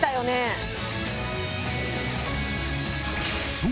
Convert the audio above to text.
そう！